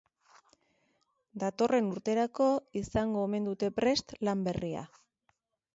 Datorren urterako izango omen dute prest lan berria.